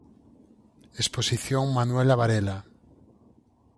Exposición Manuela Varela.